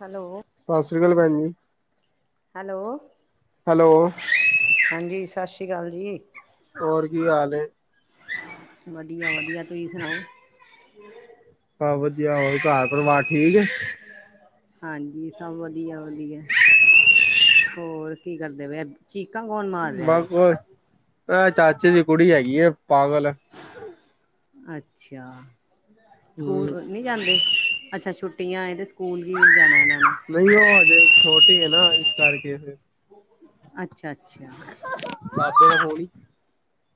Hello. ਸਤ ਸ਼੍ਰੀ ਅਕਾਲ ਭੈਣ ਜੀ। ਹੈਲੋ। ਹੈਲੋ ਹਾਂਜੀ ਸਤਿ ਸ਼੍ਰੀ ਸਤਿ ਸ਼ੀ ਅਕਾਲ ਜੀ। ਹੋਰ ਕੀ ਹਾਲ ਏ ਵਧੀਆ, ਵਧੀਆ। ਤੁਸੀਂ ਸੁਣਾਓ। [unintelligible] ਬ ਵਧੀਆ ਹੋਰ ਘਰ ਪਰਿਵਾਰ ਠੀਕ। ਹਾਂਜੀ। ਸਭ ਵਧੀਆ, ਵਧੀਆ। ਹੋਰ ਕੀ ਕਰਦੇ ਫ। ਚੀਕਾਂ ਕੌਣ ਮਾਰ ਰਿਹਾ ਵੇ। ਆ ਚਾਚੇ ਦੀ ਕੁੜੀ ਹੈਗੀ ਹੈ ਪਾਗਲ ਅੱਛਾ ਹੂੰ ਸਕੂਲ ਨਹੀਂ ਜਾਂਦੇ ਅੱਛਾ ਛੁੱਟੀਆਂ ਇਹਦੇ ਨਹੀਂ ਉਹ ਹਜੇ ਛੋਟੀ ਹੈ ਨਾ ਕਰਕੇ ਫਿਰ ਅੱਛਾ ਅੱਛਾ। [unintelligible]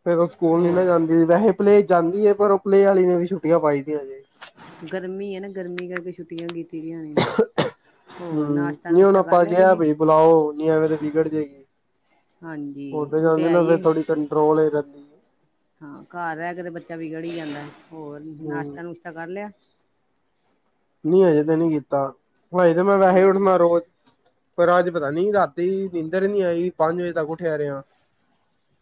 ਫੇਰ ਉਹ ਸਕੂਲ ਨੀ ਹੋਰ? ਨਾ ਜਾਂਦੀ ਵੈਹੇ ਪਲੇਅ ਜਾਂਦੀ ਹੈ ਪਰ ਉਹ ਪਲੇਅ ਵਾਲੀ ਨੇ ਵੀ ਛੁੱਟੀਆਂ ਪਾਈ ਦੀਆਂ ਜੇ ਗਰਮੀ ਹੈ ਨਾ ਗਰਮੀ ਕਰਕੇ ਛੁੱਟੀਆਂ ਕੀਤੀਆਂ ਹੂੰ ਨਹੀਂ ਹੁਣ ਨਾਸ਼ਤਾ-ਨੁਸ਼ਤਾ ਕਰ ਆਪਾਂ ਲਿਆ ਕਿਹਾ ਤੁਸੀਂ? ਵੀਈ ਬੁਲਾਓ ਨੀ ਐਵੇਂ ਤੇ ਵਿਗੜ ਜੇਗੀ। ਹਾਂਜੀ ਉਹ ਤੇ ਹੈ ਹੀ ਥੋੜੀ ਕੰਟਰੋਲ ਹੀ ਰਹਿੰਦੀ ਹਾਂ ਘਰ ਰਹਿ ਕੇ ਤੇ ਬੱਚਾ ਵਿਗੜ ਹੀ ਜਾਂਦਾ ਹੋਰ ਹੂੰ ਨਾਸ਼ਤਾ ਨੁਸ਼ਤਾ ਕਰ ਲਿਆ ਨਹੀਂ ਅਜੇ ਤੇ ਨੀ ਕੀਤਾ। ਹਾਂ ਇਹ ਤਾਂ ਮੈਂ ਹਾਂ, ਵੈਹੇ ਉੜਦਾ ਰੋਜ਼ ਪਰ ਅੱਜ ਪਤਾ ਨੀ ਰਾਤੀ ਨੀਂਦਰ ਨੀ ਆਈ ਪੰਜ ਵਜੇ ਤੱਕ ਉੱਠਿਆ ਰਿਹਾ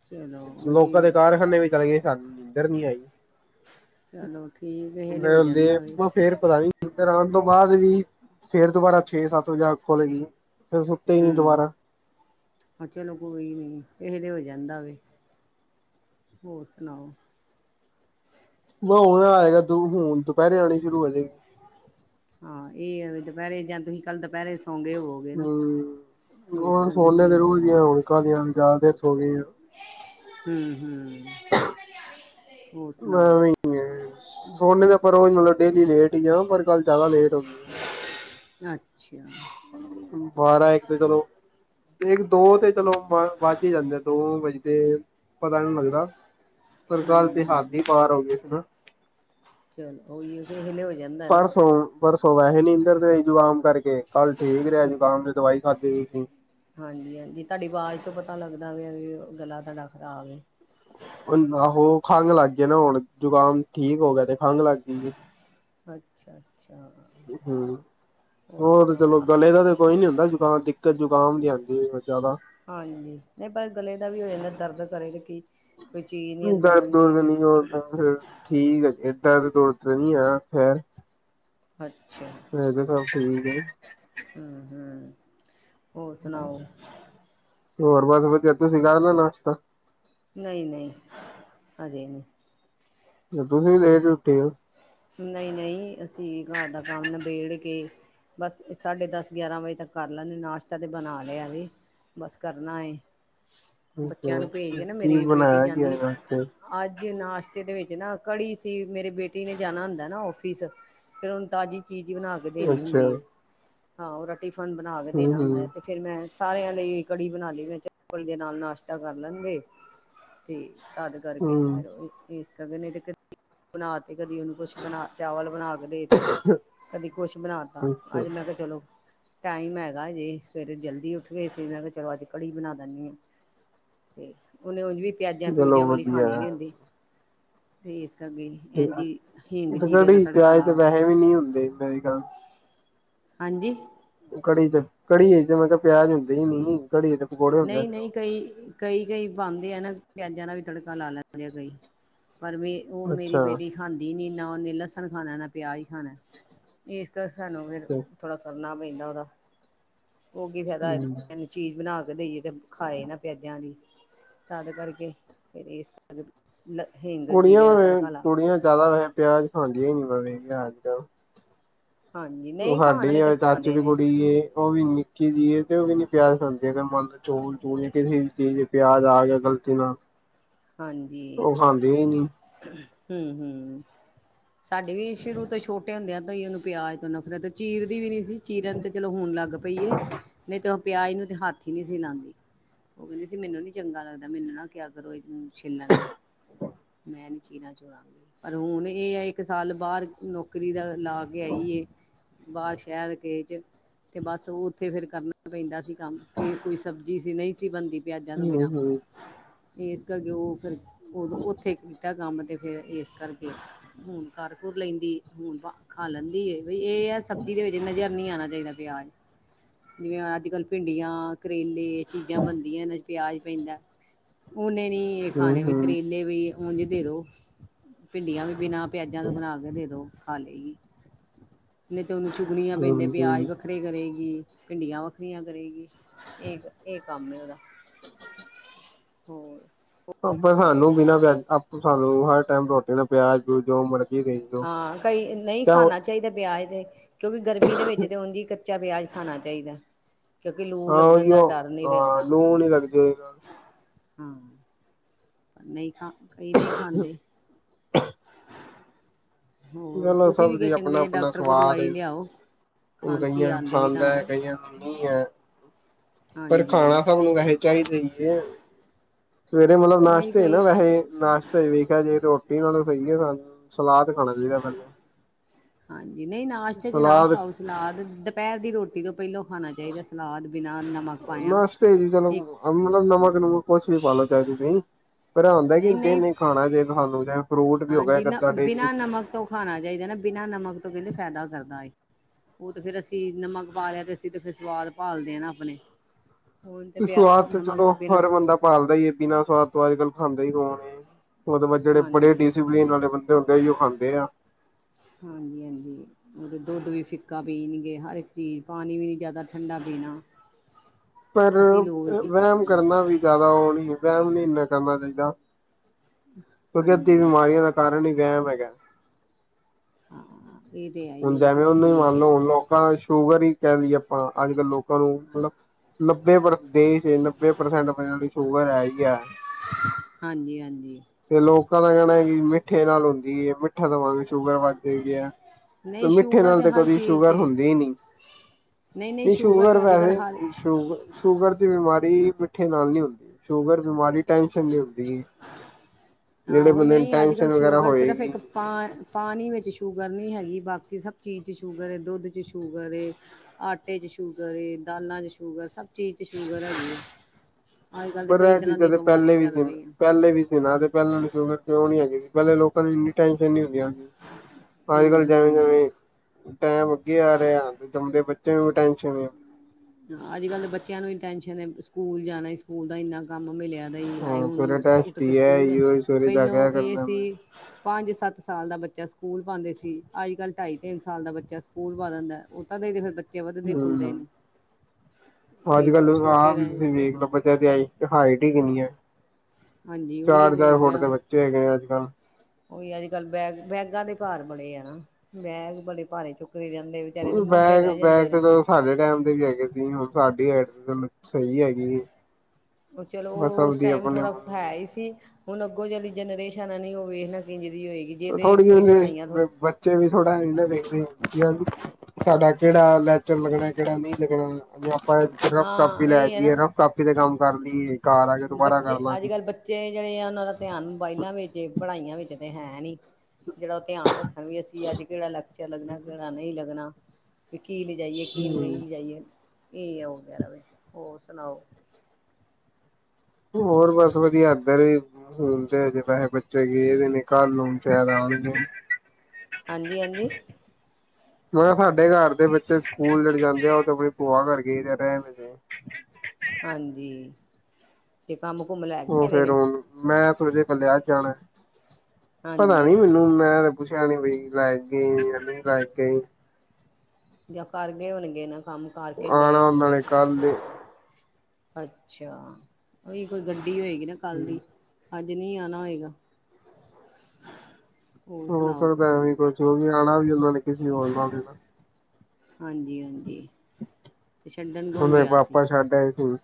ਚਲੋ ਲੋਕਾਂ ਦੇ ਉਹੀ ਕਾਰਖਾਨੇ ਵੀ ਚਲੇਂਗੇ ਸਾਨੂੰ ਇਧਰ ਨਹੀਂ ਆਈ। ਚਲੋ ਠੀਕ ਹੇਲੇ ਹੋ ਜਾਂਦਾ ਵੀ ਨੀਦਰ ਆਉਣ ਤੋਂ ਬਾਅਦ ਵੀ ਫੇਰ ਦੁਬਾਰਾ ਛੇ ਸੱਤ ਵਜੇ ਖੋਲ ਗਈ। ਫਿਰ ਸੁੱਤੇ ਹੀ ਨਹੀਂ ਹੂੰ ਦੁਬਾਰਾ ਹਾਂ ਚਲੋ ਕੋਈ ਨਹੀਂ ਇਹ ਹੋ ਜਾਂਦਾ ਵ ਹੋਰ ਸੁਣਾਓ। ਮ ਹ ਨਾ ਆਏਗਾ ਤੂੰ ਹੁਣ ਦੁਪਹਿਰੇ ਆਉਣੀ ਸ਼ੁਰੂ ਹੋ ਜਾਏਗੀ। ਹਾਂ ਇਹ ਦੁਪਹਿਰੇ ਜਾਂ ਤੁਸੀਂ ਕੱਲ ਦੁਪਹਿਰੇ ਸੌਂਗੇ ਹੋਵੋਗੇ ਨਾ ਹੂੰ ਇਸ ਹੁਣ ਕਰਕੇ ਸੋਨ ਦੇ ਨਹੀਂ ਰੋ ਦੀਆਂ ਹੋਣ ਕਾਹ ਦੀਆਂ ਜ਼ਿਆਦਾ ਦੇਰ ਸੋ ਹੋ ਗਈਆਂ। ਹੂੰ ਹੂੰ ਹੋਰ ਸੁਣਾਓ। ਮੈਂ ਸੋਨੇ ਤੇ ਪਰ ਉਹ ਮਤਲਬ ਡੇਲੀ ਲੇਟ ਹੀ ਆ ਪਰ ਗੱਲ ਜ਼ਿਆਦਾ ਲੇਟ [unintelligible] [unintelligible] ਬਾਰਾਂ ਇੱਕ ਤੇ ਚਲੋ ਇੱਕ ਦੋ ਤੇ ਚਲੋ ਵੱਜ ਹੀ ਜਾਂਦੇ ਆ ਦੋ ਵੱਜ ਪਤਾ ਨੀ ਲੱਗਦਾ। ਪਰ ਕੱਲ ਤੇ ਹੱਦ ਹੀ ਪਾਰ ਹੋ ਗਏ ਸੀ ਨਾ। ਚਲ ਉਹੀ ਹੈ ਕਿ ਹਲੇ ਹੋ ਜਾਂਦਾ ਨਾ। ਪਰ ਸਵੇ ਨਿੰਦਰ ਨੀ ਆਈ ਜੁਆਮ ਕਰਕੇ। ਕੱਲ ਠੀਕ ਰਿਹਾ ਜ਼ੁਕਾਮ ਦੀ ਦਵਾਈ, ਖਾਦੀ ਸੀ। ਹਾਂਜੀ-ਹਾਂਜੀ, ਤੁਹਾਡੀ ਆਵਾਜ਼ ਤੋਂ ਪਤਾ ਲੱਗਦਾ ਵੀ ਗਲਾ ਤੁਹਾਡਾ ਖ਼ਰਾਬ ਐ। ਆਹੋ ਖੰਘ ਲੱਗ ਗਏ, ਨਾ ਹੁਣ ਜ਼ੁਕਾਮ ਠੀਕ ਹੋ ਗਿਆ ਤੇ ਖੰਘ ਲੱਗ ਗਈ ਐ। ਅੱਛਾ, ਅੱਛਾ ਹੂੰ, ਹੋਰ ਤੇ ਚਲੋ ਗਲੇ ਦਾ ਤੇ ਕੋਈ ਨੀ ਹੁੰਦਾ ਜੁਕਾਮ ਦਿੱਕਤ ਜ਼ੁਕਾਮ ਹਾਂਜੀ ਚਲੋ, ਹਾਂਜੀ, ਨਹੀਂ ਪਰ ਗਲੇ ਦਾ ਵੀ ਹੋ ਜਾਂਦਾ ਦਰਦ ਕਰੇ ਕੀ, ਕੋਈ ਚੀਜ਼ ਨਹੀਂ ਅੰਦਰ ਦਰਦ-ਦੁਰਦ ਲੰਘੇਗੀ ਨਹੀਂ ਹੁਦਾ ਫਿਰ ਠੀਕ ਆ ਜੀ, ਦਰਦ ਦੋੜ ਤੇ ਆ ਫੇਰ, ਅੱਛਾ, ਇਹ ਤੇ ਠੀਕ ਆ। ਹੂੰ-ਹੂੰ, ਹੋਰ ਸੁਣਾਓ? ਹੋਰ ਬਸਬਤੀ ਤੁਸੀ ਕਰਦੇ ਔ ਨਾਸ਼ਤਾ, ਨਹੀਂ-ਨਹੀਂ ਹਜੇ ਨਹੀਂ, ਤੁਸੀਂ ਵੀ ਲੇਟ ਉੱਠਦੇ ਔ? ਨਹੀਂ-ਨਹੀਂ ਅਸੀਂ, ਅ ਘਰ ਦਾ ਕੰਮ ਨਿਬੇੜ ਕੇ, ਬਸ ਸਾਢੇ ਦਸ ਗਿਆਰਾਂ ਵਜੇ ਤੱਕ ਕਰ ਲੈਦੇ ਨਾਸ਼ਤਾ ਤੇ ਬਣਾ ਲਿਆ ਵੀ, ਬਸ ਕਰਨਾ ਏ ਬੱਚਿਆਂ ਅੱਛਾ ਨੂੰ ਭੇਜ ਕੇ ਨਾ ਕੀ ਮੇਰੀ ਬੇਟੀ ਬਣਾਇਆ ਗਿਆ ਜਾਂਦੀ ਇਹਨਾਂ ਅੱਜ ਨਾਸ਼ਤੇ ਦੇ ਵਿੱਚ ਜਿਨਾ ਕੜੀ ਸੀ ਮੇਰੇ ਬੇਟੀ ਨੇ, ਜਾਣਾ ਹੁੰਦਾ ਨਾ ਔਫਿਸ ਫੇਰ ਹੁਣ ਤਾਜ਼ੀ ਚੀਜ਼ ਬਣਾ ਕੇ ਵਾਸਤੇ ਦੇਣੀ ਅੱਛਾ ਹੁੰਦੀ ਐ, ਹਾਂ ਉਹ ਰੱਖ ਟਿਫਨ ਬਣਾ ਕੇ ਹੂੰ ਦੇਣਾ ਹੂੰ ਹੁੰਦਾ ਅਤੇ ਫਿਰ ਮੈਂ, ਸਾਰਿਆਂ ਲਈ ਕੜੀ ਬਣਾ ਲਈ ਮੈਂ ਚੋਲ ਦੇ ਨਾਲ ਨਾਸ਼ਤਾ ਕਰ ਲੈਂਦੇ ਤੇ, ਤਦ ਕਰਕੇ ਹੂੰ ਫੇਰ ਇਸ ਸਗੋ [unintelligible] ਬਣਾਤੀ, ਕਦੀ ਉਹਨੂੰ ਕੁਛ ਬਣਾ ਚਾਵਲ ਬਣਾ ਕੇ ਦੇ ਤੇ ਕਦੀ ਕੁਛ ਬਣਾ, ਤਾ ਅੱਛਾ ਅੱਜ ਮੈਂ ਕਿਹਾ ਚਲੋ। ਟਾਈਮ ਹੈਗਾ, ਜੇ ਸਵੇਰੇ ਜਲਦੀ ਉੱਠਗੇ ਇਸ ਕਰਕੇ ਮੈਂ ਕਿਹਾ ਚਲੋ ਅੱਜ ਕੜੀ ਬਣਾ ਦਿੰਨੀ ਆ ਤੇ ਉਹਨੇ ਉਝ ਵੀ ਪਿਆਜਾਂ ਚਲੋ ਪਿਊਜਾਂ ਵਾਲੀ ਵਧੀਆ ਖਾਣੀ ਨੀ ਹੁੰਦੀ। ਫੇਰ ਕਦੀ,, ਕੜੀ ਪਿਆਜ ਤੇ ਵੈਸੇ ਵੀ ਨਹੀਂ ਹੁੰਦੇ ਸਹੀ ਗੱਲ, ਹਾਂਜੀ, ਕੜੀ ਤੇ ਕੜੀ ਤੇ ਮੈਂ ਕਿਹਾ ਪਿਆਜ ਹੁੰਦੇ ਹੀ ਨ ਕੜੀ ਦੇ ਪਕੌੜੇ ਹੁੰਦੇ ਆ ਨਹੀਂ ਫਿਰ ਨਹੀਂ ਉਹ, ਕਈ ਕਈ ਕਈ ਪਾਂਦੇ ਆ ਨਾ ਪਿਆਜਾਂ ਦਾ ਵੀ ਤੜਕਾ ਲਾ ਲੈਦੇ ਕਈ। ਪਰ ਮੇ ਉਹ ਮੇਰੀ ਅੱਛਾ ਬੇਟੀ ਖਾਂਦੀ ਨਹੀਂ। ਨਾ ਉਹਨੇ ਲਸਣ ਖਾਣਾ ਨਾ ਪਿਆਜ। ਖਾਣਾ ਇਸ ਦਾ ਸਾਨੂੰ ਫਿਰ ਥੋੜਾ ਕਰਨਾ ਪੈਂਦਾ ਉਹਦਾ। ਉਹ ਕੀ ਫਾਇਦਾ ਚੀਜ਼ ਬਣਾ ਕੇ। ਦੇਈਏ ਤੇ ਖਾਏ ਨਾ ਪਿਆਜਾਂ ਦੀ ਤਦ ਕਰਕੇ ਫੇਰ ਇਸ ਕਰਕੇ। ਹਿੰਗ ਕੁੜੀਆਂ ਜੀਰੇ ਦਾ ਭਾਵੇ ਤੜਕਾ ਲਾ ਕੁੜੀਆਂ ਜਿਆਦਾ ਵੈਸੇ ਪਿਆਜ ਖਾਂਦੀਆਂ ਹੀ ਨੀ ਨਾਲੇ। [unintelligible] ਹਾਂਜੀ ਉਹ ਨਹੀਂ ਖਾਣ ਸਾਡੀ ਵਾਲੇ ਤੇ ਆ ਚਾਚੇ ਖਾਂਦੇ ਦੀ ਨੇ ਕੁੜੀ ਏ ਉਹ ਵੀ ਨਿੱਕੀ ਜਿਹੀ ਏ ਤੇ ਉਹ ਵੀ ਨੀ ਪਿਆਜ ਖਾਂਦੀ [unintelligible] ਚੂਲ ਚੂਲ ਕਿਸੇ ਵੀ ਚੀਜ਼ ਪਿਆਜ ਆ ਗਿਆ ਗ਼ਲਤੀ ਨਾ। ਹਾਂਜੀ। ਹੂੰ ਹੂੰ। ਸਾਡੇ ਵੀ ਸ਼ੁਰੂ ਤੋਂ ਛੋਟੇ ਹੁੰਦਿਆਂ ਕਈਆ ਨੂੰ ਪਿਆਜ ਤੋਂ ਨਫ਼ਰਤ ਚੀਰ ਦੀ ਵੀ ਨਹੀਂ ਸੀ। ਚੀਰਨ ਤੇ ਚਲੋ ਹੁਣ ਲੱਗ ਪਈਏ ਨਹੀਂ ਤਾਂ। ਪਿਆਜ ਨੂੰ ਤੇ ਹੱਥ ਹੀ ਨੀ ਸੀ ਲਾਉਂਦੀ ਉਹ ਕਹਿੰਦੀ ਸੀ ਮੈਨੂੰ ਨੀ ਚੰਗਾ ਲੱਗਦਾ ਮੈਨੂੰ ਨਾ ਕਿਆ ਕਰੋ। ਇਹਨੂੰ ਛਿੱਲਣ ਲਈ। ਮੈਂ ਨੀ ਚੀਰਾ ਚੁਰਣਾ ਪਰ ਹੁਣ ਇਹ ਹੈ ਇੱਕ ਸਾਲ ਬਾਹਰ ਨੌਕਰੀ ਦਾ। ਲਾ ਕੇ ਆਈਏ ਬਾਹਰ ਸ਼ਹਿਰ ਕਿਸੇ ਚ। ਤੇ ਬਸ ਉਹ ਉੱਥੇ ਫੇਰ ਕਰਨਾ ਪੈਂਦਾ ਸੀ। ਕੰਮ ਫੇਰ ਕੋਈ ਸਬਜ਼ੀ ਸੀ ਨਹੀਂ। ਸੀ ਬਣਦੀ। ਪਿਆਜਾ ਤੋਂ ਹੂੰ ਬਿਨਾਂ। ਹੂੰ [unintelligible] ਜਾਂ ਜੋ ਫਿਰ। ਉਦੋ ਉੱਥੇ ਕੀਤਾ ਕੰਮ ਤੇ। ਫਿਰ ਇਸ ਕਰਕੇ ਹੁਣ ਕਰ ਕੁਰ ਲੈਂਦੀ ਹੈ ਹੁਣ ਖਾ ਲੈਂਦੀ। ਵੀ ਇਹ ਆ ਸਬਜ਼ੀ ਦੇ ਵਿੱਚ ਜਿੰਨਾ ਜਿਹਾ‌ ਨੀ ਆਣਾ ਚਾਹੀਦਾ ਪਿਆਜ ਜਿਵੇਂ ਅੱਜ ਕੱਲ ਭਿੰਡੀਆਂ ਕਰੇਲੇ। ਚੀਜ਼ਾਂ ਬਣਦੀਆਂ ਨੇ। ਪਿਆਜ ਪੈਂਦਾ ਉਨੇ। ਨਹੀਂ ਹੂੰ ਖਾਣੇ ਵੀ ਹੂੰ ਕਰੇਲੇ ਵੀ। ਉਝ ਦੇ ਦੋ ਭਿੰਡੀਆਂ ਵੀ ਬਿਨਾਂ। ਪਿਆਜਾਂ ਤੋਂ ਬਣਾ ਕੇ ਦੇ ਦੋ ਖਾ ਲਈ ਏ ਅਤੇ ਉਹਨੂੰ ਚੁਗਣੀਆਂ ਪੈਂਦੇ ਪਿਆਜ ਹਾਂਜੀ, ਵੱਖਰੇ ਕਰੇਗੀ ਭਿੰਡੀਆਂ ਵੱਖਰੀਆਂ ਕਰੇਗੀ ਇਹ ਇਹ ਕੰਮ ਉਹਦਾ ਹੋਰ ਆਪਾਂ ਸਾਨੂੰ ਬਿਨਾਂ ਆਪ ਹਰ ਟਾਈਮ ਰੋਟੀ ਨੂੰ ਪਿਆਜ ਪੂਅਜ ਦਿਉ ਹਾਂ ਕਈ ਨਹੀਂ ਖਾਣਾ ਚਾਹੀਦਾ ਪਿਆਜ ਤੇ ਹ ਕਿਉਂਕਿ ਗਰਮੀ ਦੇ ਵਿੱਚ ਤੇ ਓਝ ਹੀ ਕੱਚਾ ਪਿਆਜ ਖਾਣਾ ਚਾਹੀਦਾ ਕਿਉਂਕਿ ਲੂ ਹਾਂ ਲੱਗਣ ਦਾ ਉਹੀਓ ਡਰ ਨਹੀਂ ਹਾਂ ਲੱਗਦਾ ਲੂ ਨੀ ਲੱਗੇ ਹਾਂ ਨਹੀਂ ਖ ਕਈ ਨਹੀਂ ਖਾਂਦੇ ਹੋਰ ਪਲਾਂ ਤੁਸੀਂ ਸਭ ਵੀ ਦੀ ਕਿ ਆਪਣਾ ਚੰਗੇ ਆਪਣਾ ਡਾਕਟਰ ਕੋਲ ਸਵਾਦ ਦਵਾਈ ਲਿਆਓ ਹੁਣ ਖਾਂਸੀ ਕਈਆਂ ਨੂੰ ਆਉਂਦੀ ਵੀ ਪਸੰਦ ਤੁਹਾਨੂੰ ਹੈ ਕਈਆਂ ਨੂੰ ਨਹੀਂ ਹੈ ਪਰ ਖਾਣਾ ਹਾਂਜੀ ਸਭ ਨੂੰ ਵੇਹੈ ਕਿਆ ਹੀ ਚਹੀਏ ਸਵੇਰੇ ਮਤਲਬ ਨਹੀਂ ਨਾਸ਼ਤੇ ਨਾ ਕਈ ਵੈਸੇ ਨਾਸ਼ਤਾ ਵੇਖਿਆ ਜੇ ਰੋ ਟੀ ਨਾਲ ਸਹੀਏ ਸਾਨ ਸਲਾਦ ਖਾਣਾ ਚਾਹੀਦਾ ਪਹਿਲੇ ਹਾਂਜੀ ਨਹੀਂ ਨਾਸ਼ਤਾ ਚ ਨਾ ਸਲਾਦ ਖਾਓ ਸਲਾਦ ਦੁਪਹਿਰ ਦੀ ਰੋਟੀ ਤੋਂ ਪਹਿਲੋਂ ਖਾਣਾ ਚਾਹੀਦਾ ਸਲਾਦ ਬਿਨਾਂ ਨਮਕ ਪਾਇਆ ਨਾਸ਼ਤੇ ਹੀ ਜ ਇੱਕ ਚਲੋ ਨਮਕ ਨੁੰਮਕ ਕੁਛ ਵੀ ਪਾ ਲਓ ਚਾਹੇ ਤੁਸੀ ਪਰ ਆ ਹੁੰਦਾ ਕੇ ਨਹੀਂ ਨਹੀਂ ਏ ਖਾਣਾ ਚੇ ਤੁਹਾਨੂੰ ਤੇ ਹਾਂਜੀ ਨਾ ਬਿਨਾ ਨਮਕ ਤੋਂ ਖਾਣਾ ਚਾਹੀਦਾ ਨਾ ਬਿਨਾਂ ਨਮਕ ਤੋਂ ਕਹਿੰਦੇ ਫਾਇਦਾ ਕਰਦਾ ਹੈਏ ਉਹ ਤਾਂ ਫਿਰ ਅਸੀਂ ਨਮਕ ਪਾ ਲਿਆ ਅਤੇ ਅਸੀਂ ਤਾਂ ਫਿਰ ਸਵਾਦ ਭਾਲਦੇ ਨਾ ਆਪਣੇ ਹੁਣ ਤੇ ਪਿਆ ਸਵਾਦ ਤੇ ਨਮਕ ਚਲੋ ਤੋਂ ਬਿਨਾਂ ਹਰ ਬੰਦਾ ਭਾਲਦਾ ਹੀ ਹੈ ਬਿਨਾਂ ਸਵਾਦ ਤੋਂ ਅੱਜ ਕੱਲ੍ਹ ਖਾਂਦਾ ਹੀ ਹੋਣ ਉਹਦੇ ਬਾਅਦ ਜਿਹੜੇ ਬੜੇ ਹਾਂਜੀ ਡਿਸਪਲੀਨ ਵਾਲੇ ਬੰਦੇ ਹੁੰਦੇ ਜ ਉਹ ਖਾਂਦੇ ਆ ਹਾਂਜੀ ਹਾਂਜੀ ਉਹਦੇ ਦੁੱਧ ਵੀ ਫਿੱਕਾ ਪੀਣਗੇ ਹਰ ਇੱਕ ਚੀਜ਼ ਪਾਣੀ ਵੀ ਨਹੀਂ ਜ਼ਿਆਦਾ ਠੰਡਾ ਪੀਣਾ ਪਰ ਅਸੀਂ ਲੋਕ ਜੀ- ਵਹਿਮ ਕਰਨਾ ਵੀ ਜ਼ਿਆਦਾ ਉਹ ਨਹੀਂ ਵਹਿਮ ਨੀ ਇਨਾ ਮ ਦੇਦਾ ਕਿਉਂਕਿ ਅੱਧੀ ਹਾਂਜੀ ਬਿਮਾਰੀਆਂ ਦਾ ਕਾਰਨ ਹੀ ਵਹਿਮ ਹੈਗਾ ਕਿਆ ਹਾਂ ਇਹ ਤੇ ਹੈ ਹੀ ਹੁਣ ਹੈ ਵੀ ਦਮ [unintelligible] ਉਹ ਤੁਸੀਂ ਨਹੀਂ ਠੀਕ ਮੰਨ ਲ ਹੈ ਹੁਣ ਲੋਕਾਂ ਚ ਸ਼ੂਗਰ ਹੀ ਕਹਿ ਲਈਏ ਆਪਾਂ ਅੱਜ ਕੱਲ੍ਹ ਲੋਕਾਂ ਨੂੰ ਮਤਲਬ ਨੱਬੇ ਪਰ ਦੇਸ਼ ਚ ਨੱਬੇ ਪ੍ਰਸੈਂਟ ਬੀ ਸ਼ੂਗਰ ਹੈ ਹੀ ਹੈ ਹਾਂਜੀ ਹਾਂਜੀ ਤੇ ਲੋਕਾਂ ਦਾ ਕਹਿਣਾ ਹੈ ਕਿ ਮਿੱਠੇ ਨਾ ਲ ਹੁੰਦੀ ਹੈ ਮਿੱਠਾ ਦਵਾਂਗੇ ਸ਼ੂਗਰ ਵੱਗ ਜਾਂ ਐ ਨਹੀਂ ਮਿੱਠੇ ਸ਼ੂਗਰ ਨਾਲ ਤੇ ਹਰ ਕਦੀ ਚੀਜ਼ 'ਚ ਸ਼ੂਗਰ ਹੈ। ਹੁੰਦੀ ਹੀ ਨਹੀਂ ਨਹੀਂ ਸ਼ੂਗਰ ਤੇ ਅੱਜ ਕੱਲ੍ਹ ਵੈਸੇ ਹਰ ਸ਼ੂਗ ਸ਼ੂਗਰ ਦੀ ਬਿਮਾਰੀ ਮਿੱਠੇ ਨਾਲ ਨੀ ਹੁੰਦੀ ਸ਼ੂਗਰ ਬਿਮਾਰੀ ਟੈਨਸ਼ਨ ਦੀ ਹੁੰਦੀ ਏ ਆਹੋ ਨਹੀਂ ਅੱਜ ਕੱਲ੍ਹ ਸ਼ੂਗਰ ਸਿਰਫ਼ ਹੋਏਗੀ। ਇੱਕ ਪਾ ਪਾਣੀ ਵਿੱਚ ਸ਼ੂਗਰ ਨਹੀਂ ਹੈਗ ਬ [unintelligible] ਬੀ ਬਾਕੀ ਸਭ ਚੀਜ ਚ ਸ਼ੂਗਰ ਏ ਦੁੱਧ ਚ ਸ਼ੂਗਰ ਏ ਆਟੇ ਚ ਸ਼ੂਗਰ ਏ ਤੇ ਦਾਲਾਂ ਚ ਸ਼ੂਗਰ ਸਭ ਚੀਜ਼ ਚ ਸ਼ੂਗਰ ਹੈਗੀ ਆ ਅੱਜ ਕੱਲ ਤੇ ਪਰ ਕਈ ਇਹ ਤਰ੍ਹਾਂ ਚੀਜ਼ਾਂ ਦੀਆਂ ਤੇ ਪਹਿਲੇ ਬਿਮਾਰੀਆਂ ਵੀ ਚੱਲ ਸੀ ਪਈਆਂ ਪਹਿਲੇ ਵੀ ਸੀ ਨਾ ਤੇ ਪਹਿਲਾਂ ਨੂੰ ਸ਼ੂਗਰ ਕਿਉਂ ਨਹੀਂ ਹੈਗੀ ਸੀ ਪਹਿਲੇ ਲੋਕਾਂ ਨੂੰ ਇੰਨੀ ਟੈਂਸ਼ਨ ਨੀ ਆਂ ਅੱਜ ਹੂੰ ਕੱਲ ਜਵੇਂ ਹੂੰ ਜਿਵੇਂ ਟੈਮ ਅੱਗੇ ਆ ਰਿਹਾ ਜੰਮਦੇ ਬੱ ਤੇ ਉਹ ਟੈਂਨਸ਼ਨ ਏ ਅੱਜ ਕੱਲ ਦੇ ਬੱਚਿਆਂ ਨੂੰ ਹੀ ਟੈਸ਼ਨ ਹੈ ਸਕੂਲ ਜਾਣਾ ਸਕੂਲ ਦਾ ਇੰਨਾ ਕੰਮ ਮਿਲਿਆ ਕ ਹਾਏ ਹਾਂ ਹੁ ਨੂੰ ਸਵੇਰੇ ਉੱਠ ਟੈਸਟ ਕੇ ਹੀ ਹੈ ਸਕੂਲ ਦੇ ਇਹੋ ਸਵੇਰੇ ਪਹਿਲੋਂ ਜਾਗਿਆ ਇਹ ਕਰਨਾ ਸੀ ਮੈਂ ਪੰਜ ਸੱਤ ਸਾਲ ਦਾ ਬੱਚਾ ਸਕੂਲ ਪਾਂਦੇ ਸੀ ਅੱਜ ਕੱਲ੍ਹ ਢਾਈ ਤਿੰਨ ਸਾਲ ਦਾ ਬੱਚਾ ਸਕੂਲ ਪਾ ਦਿੰਦਾ ਐ ਉਹ ਤਾਂ ਦੇਖਦੇ ਫਿਰ ਬ [unintelligible] ੱਚੇ ਵੱਧਦੇ ਫੁੱਲਦੇ ਹੂੰ ਨੇ ਇਹ ਅੱਜ ਕੱਲ ਰਹਿ ਆ ਛੋਟੇ ਵੀ ਰਹਿ ਤੁਸੀਂ ਵੇਖ ਹਾਂ ਲਓ ਬੱਚਾ ਦੀ ਆਈ ਹਾਈਟ ਹੀ ਕਿੰਨੀ ਹੈ ਹਾਂਜੀ ਉਹੀ ਚਾਰ ਤੇ ਚਾਰ ਹੋ ਫੁਟ ਗਿਆ ਦੇ ਬੱਚੇ ਹੈਗੇ ਆ ਅੱਜ ਕੱਲ੍ਹ ਉਹੀ ਅੱਜ ਕੱਲ ਬੈਗ ਬੈਗਾਂ ਦੇ ਭਾਰ ਬੜੇ ਆ ਨਾ ਬੈਗ ਬੜੇ ਭਾਰੇ ਚੁੱਕ ਬੈਗ ਬੈਗ ਤੇ ਸਾਡੇ ਟਾਈਮ ਦੇ ਵੀ ਹੈਗੇ ਸੀ ਹੁਣ ਸਾਡੀ [unintelligible] ਸਹੀ ਹੈਗੀ ਏ ਉਹ ਚਲੋ ਉਹ ਉਸ ਟਾਈਮ ਥੋੜਾ ਹੈ ਹੀ ਸੀ ਹੁਣ ਅੱਗੋਂ ਜਲੀ ਜਨਰੇਸ਼ਸ਼ਨ ਨੀ ਹੋਵੇ ਵੇਖਣਾ ਕਿੰਝ ਥੋੜ੍ਹੀਿਨੇ ਬੱਚੇ ਵੀ ਥੋੜਾ ਇਹਨੇ ਦੇਖਦੇ ਸੀ [unintelligible] [unintelligible] ਸਾਡਾ ਕਿਹੜਾ ਲੈਚਰ ਲੱਗਣਾ ਕਿਹੜਾ ਨਹੀਂ ਲੱਗਣਾ ਅ ਆਪ ਹਾਂ ਇਹ ਹੈ ਨਾ ਤੇ ਕੰਮ ਕਰ ਲਈਏ ਘਰ ਆ ਕੇ ਦੁਬਾਰਾ ਬੱਚੇ ਕਰ ਅੱਜ ਲਾਂਗੇ ਕੱਲ੍ਹ ਬੱਚੇ ਜਿਹੜੇ ਆ ਉਹਨਾਂ ਦਾ ਧਿਆਨ ਮੋਬਾਇਲਾਂ ਵਿੱਚ ਏ ਪੜ੍ਹਾਈਆਂ ਵਿੱਚ ਤੇ ਹੈਂ ਨੀ ਜਿਹੜਾ ਉਹ ਧਿਆਨ ਰੱਖਣ ਵੀ ਅਸੀਂ ਅੱਜ ਕਿਹੜਾ ਲੈਕਚਰ ਲੱਗਣਾ ਕਿਹੜਾ ਨਹੀਂ ਲੱਗਣਾ ਵੀ ਕੀ ਲਿ ਜਾਈਏ ਕੀ ਲਈ ਨਹੀਂ ਹਮ ਲਿ ਜਾਈਏ ਇਹਏ ਆ ਵਗੈਰਾ ਵੀ ਹੋਰ ਸੁਣਾਓ ਹੋਰ ਬਸ ਵਧੀਆ ਇਧਰ ਸੂਲਤਜੇ ਪੈਸੇ ਬੱਚੇ ਗਏ ਨੇ ਘਰ ਨੂੰਦਾ ਹਾਂਜੀ ਹਾਂਜੀ ਮੈਂ ਕਿਹਾ ਸਾਡੇ ਘਰ ਦੇ ਬੱਚੇ ਸਕੂਲ ਲੜ ਜਾਂਦੇ ਆ ਉਹ ਤੇ ਕੋਈ ਭੂਆ ਕਰਕੇ ਰਹਿਣ ਹਾਂਜੀ ਇੱਕ ਉਹ ਫੇਰ ਹੁਣ ਮੈਂ ਜੇ ਕੱਲ ਅਜ ਜਾਣਾ ਪਤਾ ਹਾਂਜੀ ਨੀ ਮੈਨੂੰ ਮੈਂ ਕੁਛਿਆਣੀ ਬਈ ਲਾਇਕ ਗਈ ਨਹੀਂ ਲਾਇਕ ਗਈ ਜਾਂ ਫਰ ਗਏ ਹੋਣਗੇ ਨਾ ਕੰਮ ਕਰਕੇ ਗਏ ਆਣਾ ਉਹਨਾਂ ਹੋਣਗੇ ਨੇ ਕੱਲ ਦੇ ਅੱਛਾ ਉਹੀ ਕੋਈ ਗੱਡੀ ਹੋਏਗੀ ਨਾ ਕੱਲ ਦੀ ਅੱਜ ਨਹੀਂੀ ਆਣਾ ਹੋਏਗਾ ਹੋਰ ਹ ਸੁਣਾਓ ਸਰ ਬ ਕਰ ਤੁਸੀਂ ਵੀ ਖਣਾ ਵੀ ਉਹਨਾ ਨੇ ਕਿਸੇ ਬੋਲਣਾ ਵੀ ਨਾ ਹਾਂਜੀ ਹਾਂਜੀ ਤੇ ਛੱਡਣ ਹੁ ਕੌਣ ਮ ਗਿਆ ਸੀ ਪਾਪਾ ਛੱਡਿਆ ਸੀ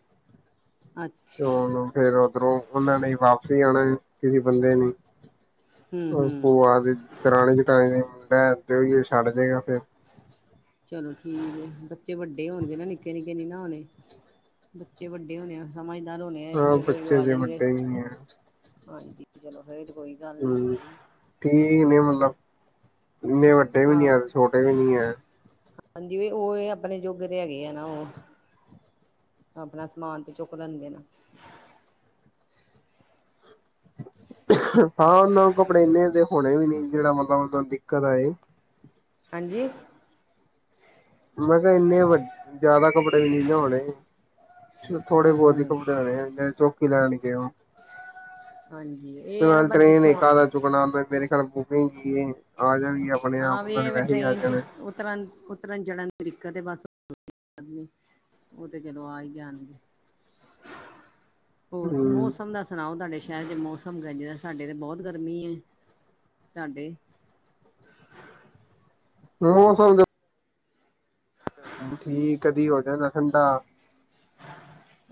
ਤੇ ਅੱਛਾ ਉਹਨੂੰ ਫੇਰ ਉਓਧਰੋਂ ਉਹਨਾਂ ਨੇ ਵਾਪਸੀ ਆਉਣਾ ਕਿਸੇ ਬੰਦੇ ਨੇ ਹੂੰ ਭ ਹੂੰ ਆ ਦੇ ਦਰਾਣੇ ਚਟਾਣੇ ਦੇ ਮੈਂ ਦੇਓਏ ਛੱਡ ਦੇਗਾ ਫੇਿਰ ਚਲੋ ਠੀਕ ਆ ਬੱਚੇ ਵੱਡੇ ਹੋਣਗੇ ਨਾ ਨਿੱਕੇ ਨਿੱਕੇ ਨੀ ਨਾ ਹੋਣੇ ਬੱਚੇ ਵੱਡੇ ਹੋਣੇ ਆ ਸਮਝ ਹਾਂ ਬੱਚੇ ਜੇ ਵੱਡੇ ਹੀ ਨਹੀਂ ਆ ਹਾਂਜੀ ਚਲੋ ਫੇ ਕੋਈ ਗੱਲ ਨੀ ਠੀਕ ਨੇ ਮਤਲਬ ਇੰਨੇ ਵੱਡੇ ਵੀ ਨੀ ਆਹੋ ਹੈ ਤੇ ਛੋਟੇ ਵੀ ਨੀ ਹੈ ਹਾਂਜੀ ਉਹ ਆਪਣੇ ਜੋੁਗੇ ਤੇ ਹੈਗੇ ਆ ਨਾ ਉਹ ਆਪਣਾ ਸਮਾਨ ਤੇ ਚੁੱਕ ਲੈਣਗੇ ਨਾ ਹਾਂ ਉਹਨਾਂ ਨੂੰ ਕੱਪੜੇ ਇੰਨੇ ਦੇ ਹੋਣੇ ਵੀ ਨ ਜਿਹੜਾ ਮਤਲਬ ਦਿੱਕਤ ਆਏ ਹਾਂਜੀ ਮੈਂ ਕਿਹਾ ਇੰਨੇ ਵੱ ਜਿਆਦਾ ਕ ਲੀ ਲਿਆਉਣੇ ਥੋੜੇ ਹੂੰ ਬਹੁਤ ਹੀ ਹੂੰ ਕੱਪੜੇ ਆਣੇ ਨੇ ਜੋ ਕਿਦਾ ਕੇ ਹਾਂਜੀ ਇਹ ਤੇ, ਹੈ ਨਾ ਨਾਲ ਪਰ ਟ੍ਰੇਨ ਜਿੱਥੋਂ ਇੱਕ ਆਦਾ ਚੁੱਕਣਾ ਫੇਰੇ ਕੱਲ ਬੁਕਿੰਗ ਕੀ, ਆ ਜਾਏਗੀ ਆਹ ਵੀ, ਇਹ ਟ੍ਰੇਨ'ਚ, ਉਤਰਨ-ਉਤਰਨ ਚੜਨ ਤਰੀਕਾ ਤੇ ਬਸ ਨਹੀਂ ਉਹ ਤੇ, ਚਲੋ ਆ ਹੀ ਜਾਣਗੇ ਹੋਰ ਹੂੰ ਮੌਸਮ ਦਾ ਸੁਣਾਓ, ਤੁਹਾਡੇ? ਸ਼ਹਿਰ ਦੇ ਮੌਸਮ ਗਜਾ ਸਾਡੇ ਤਾਂ, ਬਹੁਤ ਗਰਮੀ ਹੈ, ਸਾਡੇ ਮੌਸਮ ਤੇ ਠੀਕ ਹੈ, ਕਦੀ ਹੋ ਜਾਏਗਾ ਠੰਡਾ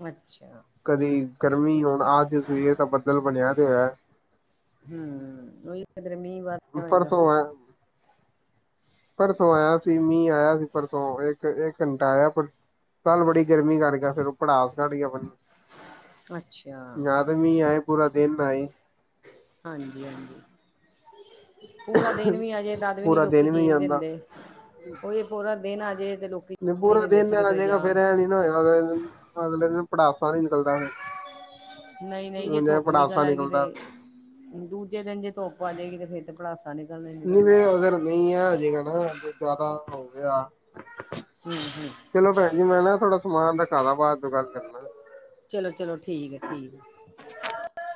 ਅੱਛਾ ਕਦੀ ਗਰਮੀ ਹੁਣ ਆਜ ਸਵੇਰ ਦਾ ਬੱਦਲ ਬਣਿਆ ਪਿਆ ਤੇ, ਹੋਯਾ ਹੂੰ, ਉਹੀ ਕਿਧਰ ਮੀਂਹ ਵਾਰਿਆ ਹੋਏਗਾ ਪਰਸੋਂ ਐਂ, ਫਿਰ ਪਰਸੋਂ ਆਇਆ ਸੀ। ਮੀਂਹ ਆਇਆ ਸੀ ਪਰਸੋਂ, ਇੱਕ-ਇੱਕ ਘੰਟਾ ਆਇਆ ਪਰ, ਕੱਲ੍ਹ ਬੜੀ ਗਰਮੀ ਕਰ ਗਿਆ, ਫਿਰ ਉਹ ਭੜਾਸ ਕਢ ਗਿਆ ਬ ਅੱਛਾ ਆਏ ਪੂਰਾ ਦਿਨ ਨਹਾਏ। ਹਾਂਜੀ-ਹਾਂਜੀ। ਪੂਰਾ ਦਿਨ ਵੀ ਆਜੇ ਤਦ ਵੀ ਨਹੀਂ, ਪੂਰਾ ਲੋਕੀ ਦਿਨ ਜੀਣ ਵੀ ਨੀ ਨਹੀਂ ਆਂਦਾ। ਦਿੰਦੇ, ਉ ਪੂਰਾ ਦਿਨ ਆਜੇ ਤੇ ਲੋਕੀ ਜੀਣ ਨਹੀਂ ਪੂਰਾ ਦਿੰਦੇ, ਦਿਨ ਅਸੀਂ ਆ ਕਿਤੇ ਜਾਏਗਾ ਜਾ ਫੇਰ ਪੜਾਸਾਂ ਨ ਨਿਕਲਦਾ ਫ ਨਹੀਂ-ਨਹੀਂ ਜੇ ਧੁੱਪ ਨਿਕਲ ਆਏਗੀ ਤੇ, ਦੂਜੇ ਦਿਨ ਜੇ ਧੁੱਪ ਆ ਜਾਏਗੀ ਤੇ ਫੇਰ ਭੜਾਸ ਨਹੀਂ ਫੇਰ, ਅਗਰ ਨਹੀਂ ਆ ਆਜੇਗਾ ਨਾ ਜ਼ਿਆਦਾ ਆ ਹਮ ਹਮ ਚਲੋ ਭੈਣ ਜੀ, ਮੈਂ ਨਾ ਥੋੜਾ ਸਮਾਨ ਰੱਖਾ ਦਾ ਬਾਹਰ ਤੋਂ ਗੱਲ ਕਰਨਾ ਚਲੋ-ਚਲੋ, ਠੀਕ ਹੈ-ਠੀਕ ਹੈ।